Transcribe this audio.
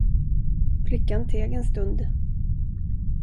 Flickan teg en stund.